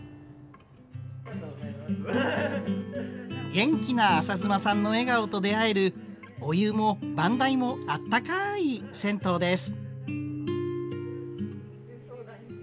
元気な朝妻さんの笑顔と出会えるお湯も番台もあったかい銭湯です。